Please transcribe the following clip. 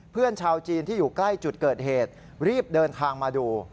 เพื่อนชาวจีนที่อยู่ใกล้จุดเกิดเหตุรีบเดินทางมาดู